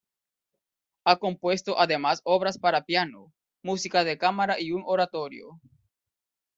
Ha compuesto además obras para piano, música de cámara y un oratorio.